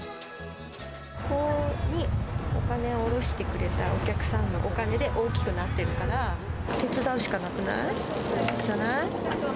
ここにお金をおろしてくれたお客さんのおかげで大きくなっているから、手伝うしかなくない？じゃない？